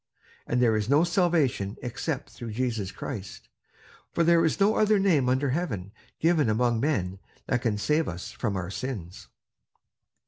And there is no salvation except through Jesus Christ, for there is no other name under heaven given among men that can save us from our sins."